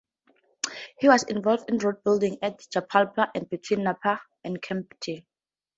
He was involved in road building at Jabalpur and between Nagpur and Kamptee.